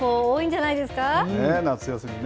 じ夏休みね。